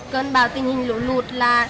cơn bào tình hình lũ lụt là